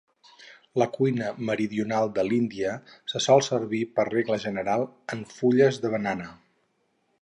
La cuina meridional de l'Índia se sol servir per regla general en fulles de banana.